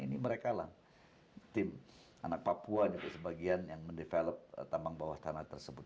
ini mereka lah tim anak papua ini sebagian yang mendevelop tambang bawah tanah tersebut